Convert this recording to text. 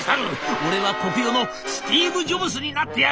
俺はコクヨのスティーブ・ジョブズになってやる！